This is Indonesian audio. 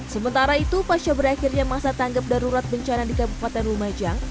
sementara itu pasca berakhirnya masa tanggap darurat bencana di kabupaten lumajang